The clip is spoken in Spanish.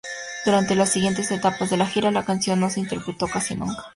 Durante las siguientes etapas de la gira, la canción no se interpretó casi nunca.